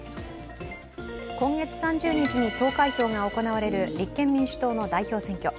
今月３０日に投開票が行われる立憲民主党の代表選挙。